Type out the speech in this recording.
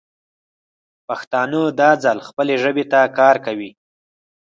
پښتانه دا ځل خپلې ژبې ته کار کوي.